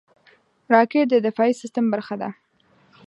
راکټ د دفاعي سیستم برخه ده